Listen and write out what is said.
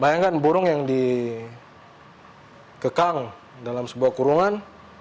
bayangkan burung yang dikekang dalam sebuah kurungan